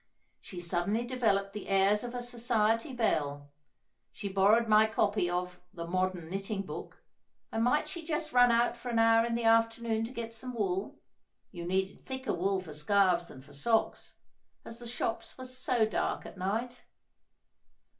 She suddenly developed the airs of a society belle; she borrowed my copy of "The Modern Knitting Book;" and, might she just run out for an hour in the afternoon to get some wool—you needed thicker wool for scarves than for socks—as the shops were so dark at night?